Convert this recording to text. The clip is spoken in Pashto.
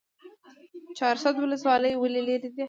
چهارسده ولسوالۍ ولې لیرې ده؟